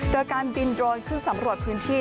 โดยการบินโดรนขึ้นสำรวจพื้นที่